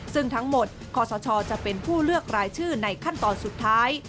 ซึ่งทั้งหมดขอสชจะเป็นผู้เลือกรายชื่อในขั้นตอนสุดท้าย